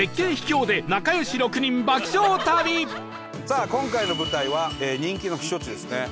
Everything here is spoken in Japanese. さあ今回の舞台は人気の避暑地ですね尾瀬。